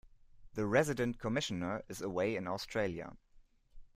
The Resident Commissioner is away in Australia.